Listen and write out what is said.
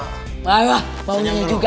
nang bangunya juga